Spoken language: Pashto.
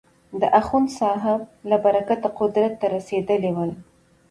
د اخوندصاحب له برکته قدرت ته رسېدلي ول.